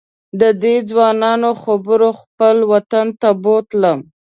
ددې ځوانانو خبرو خپل وطن ته بوتلم.